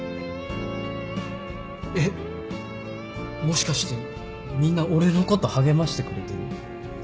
えっもしかしてみんな俺のこと励ましてくれてる？